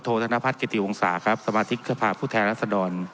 ธนพัฒน์กิติวงศาครับสมาชิกสภาพผู้แทนรัศดร